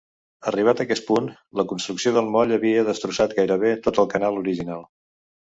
Arribat aquest punt, la construcció del moll havia destrossat gairebé tot el canal original.